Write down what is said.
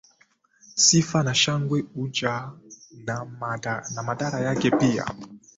Sifa na shangwe huja na madhara yake pia